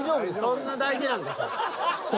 そんな大事なんか。